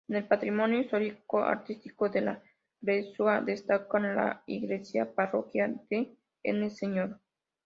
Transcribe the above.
En el patrimonio histórico-artístico de la "freguesia" destacan la iglesia parroquial de N.ª Sra.